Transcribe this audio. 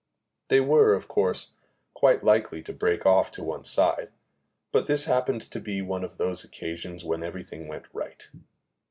They were, of course, quite likely to break off to one side, but this happened to be one of the occasions when everything went right.